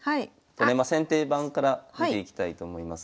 先手番から見ていきたいと思います。